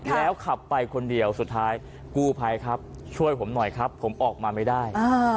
แล้วขับไปคนเดียวสุดท้ายกู้ภัยครับช่วยผมหน่อยครับผมออกมาไม่ได้